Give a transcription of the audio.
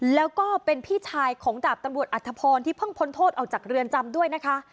แล้วก็เป็นพี่ชายของดาบตำรวจอัธพรที่เพิ่งพ้นโทษออกจากเรือนจำด้วยนะคะ